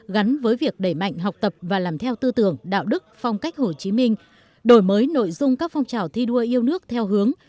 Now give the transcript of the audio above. giải mạnh học tập và làm theo tư tưởng đạo đức phong cách hồ chí minh đổi mới nội dung các phong trào thi đua yêu nước theo hướng